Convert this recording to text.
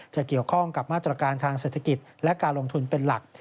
จะเกี่ยวข้องกับมาตรการทางเศรษฐกิจและการลงทุนเป็นหลัก